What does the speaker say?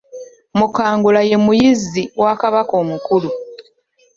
Mukangula ye muyizzi wa Kabaka omukulu